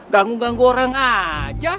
ganggu ganggu orang aja